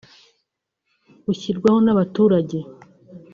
bushyirwaho n’abaturage